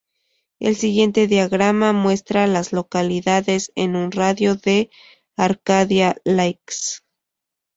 El siguiente diagrama muestra a las localidades en un radio de de Arcadia Lakes.